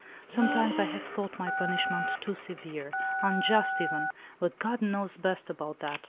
Sometimes I have thought my punishment too severe, unjust even, but God knows best about that.